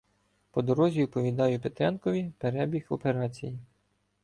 По дорозі оповідаю Петренкові перебіг операції.